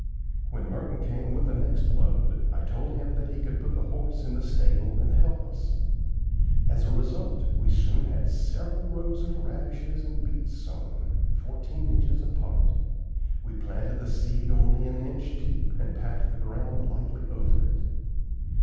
When Merton came with the next load I told him that he could put the horse in the stable and help us. As a result, we soon had several rows of radishes and beets sown, fourteen inches apart. We planted the seed only an inch deep, and packed the ground lightly over it.